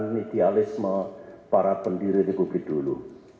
idealisme para pendiri republik dulu